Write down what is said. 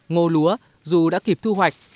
ngô lúa dù đã kịp thu hoạch